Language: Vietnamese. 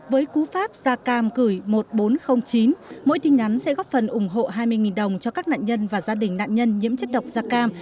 với cú pháp da cam gửi một nghìn bốn trăm linh chín mỗi tin nhắn sẽ góp phần ủng hộ hai mươi đồng cho các nạn nhân và gia đình nạn nhân nhiễm chất độc da cam